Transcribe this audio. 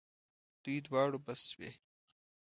دوی دواړو بس شوې.